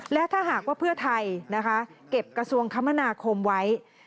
และถ้าหากว่าเพื่อไทยนะคะเก็บกระทรวงคมนาคมไว้